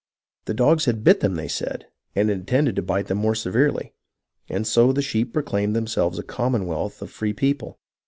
The dogs had bit them, they said, and intended to bite them more severely. And so the sheep proclaimed themselves a commonwealth of free people.